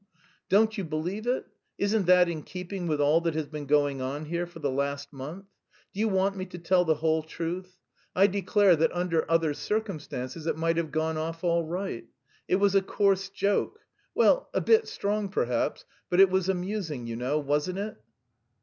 Don't you believe it? Isn't that in keeping with all that has been going on here for the last month? Do you want me to tell the whole truth? I declare that under other circumstances it might have gone off all right. It was a coarse joke well, a bit strong, perhaps; but it was amusing, you know, wasn't it?"